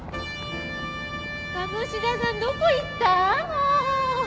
鴨志田さんどこ行った？